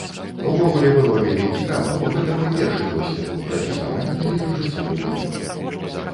Увогуле, было вельмі цікава, бо гэта мой першы досвед у прадзюсаванні і рэжысуры кліпа.